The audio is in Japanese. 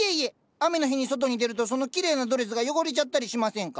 雨の日に外に出るとそのきれいなドレスが汚れちゃったりしませんか？